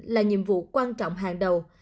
là nhiệm vụ quan trọng hàng đầu